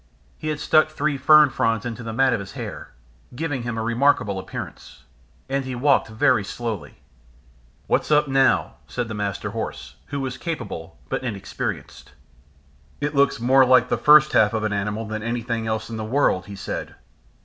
He had stuck three fern fronds into the mat of his hair, giving him a remarkable appearance, and he walked very slowly. "What's up now?" said the Master Horse, who was capable, but inexperienced. "It looks more like the first half of an animal than anything else in the world," he said.